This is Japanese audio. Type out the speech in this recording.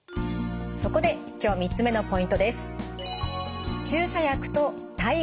そこで今日３つ目のポイントです。